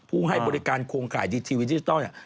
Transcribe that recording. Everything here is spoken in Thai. ให้บริการโครงข่ายดีทีวีดิจิทัลเนี่ย